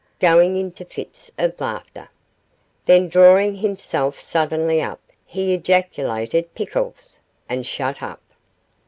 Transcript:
going into fits of laughter; then drawing himself suddenly up, he ejaculated 'Pickles!' and shut up.